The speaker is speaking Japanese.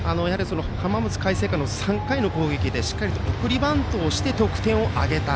浜松開誠館の３回の攻撃で送りバントをして得点を挙げた。